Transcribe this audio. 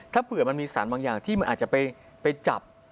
ถ้าเผื่อมันมีสารบางอย่างที่มันอาจจะไปจับ